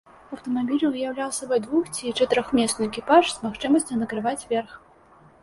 Аўтамабіль ўяўляў сабой двух- ці чатырохмесны экіпаж, з магчымасцю накрываць верх.